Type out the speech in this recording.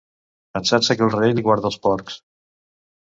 Pensar-se que el rei li guarda els porcs.